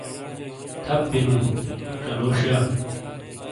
تھَپ بِیلوں، چَلو شِیا۔